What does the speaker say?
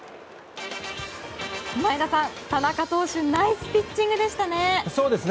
前田さん、田中投手ナイスピッチングでしたね。